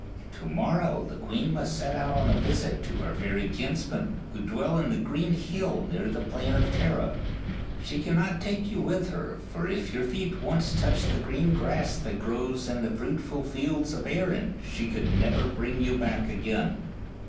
To morrow the queen must set out on a visit to her fairy kins men, who dwell in the green hill near the plain of Tara ; she cannot take you with her, for if your feet once touched the green grass that grows in the fruitful fields of Erin, she could never bring you back again.